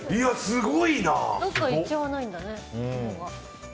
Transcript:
どっかいっちゃわないんだね。